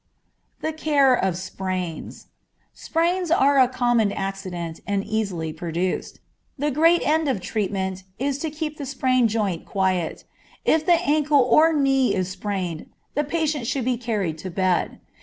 The Care of Sprains. Sprains are a common accident and easily produced. The great end of treatment is to keep the sprained joint quiet. If the ankle or knee is sprained, the patient should be carried to bed.